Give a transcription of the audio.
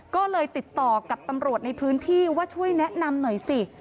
ก็เลยติดต่อกับตำรวจในพื้นที่ว่าช่วยแนะนำหน่อยสิ